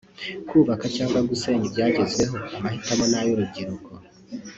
kubaka cyangwa gusenya ibyagezweho amahitamo ni ay’urubyiruko